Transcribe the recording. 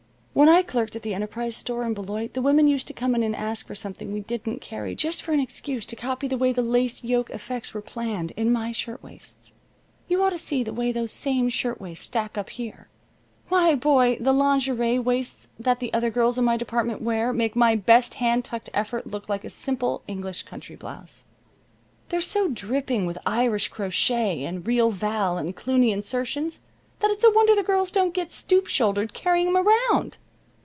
When I clerked at the Enterprise Store in Beloit the women used to come in and ask for something we didn't carry just for an excuse to copy the way the lace yoke effects were planned in my shirtwaists. You ought to see the way those same shirtwaist stack up here. Why, boy, the lingerie waists that the other girls in my department wear make my best hand tucked effort look like a simple English country blouse. They're so dripping with Irish crochet and real Val and Cluny insertions that it's a wonder the girls don't get stoop shouldered carrying 'em around."